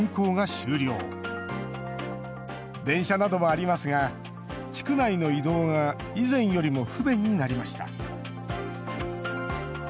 電車などもありますが地区内の移動が以前よりも不便になりました。